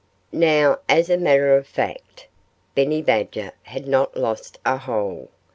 Now, as a matter of fact, Benny Badger had not lost a hole.